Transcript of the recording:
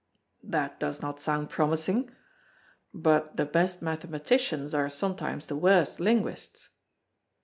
"That does not sound promising. But the best mathematicians are sometimes the worst linguists."